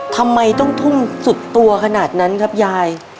ทำไมต้องทุ่มสุดตัวขนาดนั้นครับยาย